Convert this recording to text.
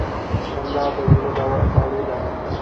• خندا د زړه دارو ده.